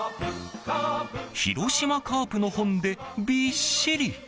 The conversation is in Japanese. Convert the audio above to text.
広島カープの本でびっしり。